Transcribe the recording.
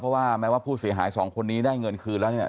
เพราะว่าแม้ว่าผู้เสียหายสองคนนี้ได้เงินคืนแล้วเนี่ย